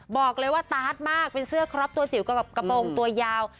บอกเลยว่าตาร์ทมากเป็นเสื้อครอบตัวจิ๋วกับกระโปรงตัวยาว